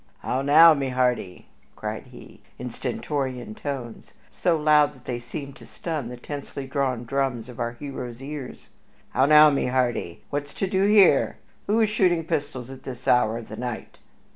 "How now, my hearty!" cried he, in stentorian tones, so loud that they seemed to stun the tensely drawn drums of our hero's ears. "How now, my hearty! What's to do here? Who is shooting pistols at this hour of the night?"